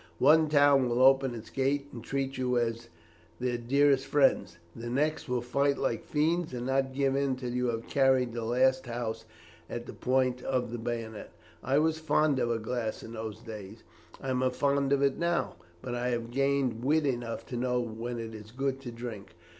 One town will open its gates and treat you as their dearest friends, the next will fight like fiends and not give in till you have carried the last house at the point of the bayonet. I was fond of a glass in those days; I am fond of it now, but I have gained wit enough to know when it is good to drink.